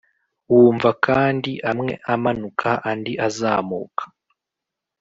wumva kandi amwe amanuka andi azamuka,